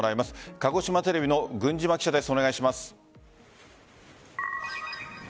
鹿児島テレビの郡嶌記者です。